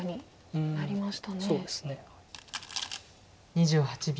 ２８秒。